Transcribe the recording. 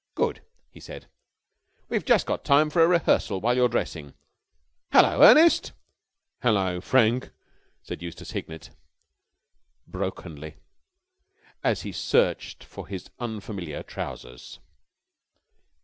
"Good!" he said. "We've just got time for a rehearsal while you're dressing. 'Hullo, Ernest!'" "Hullo, Frank," said Eustace Hignett, brokenly, as he searched for his unfamiliar trousers.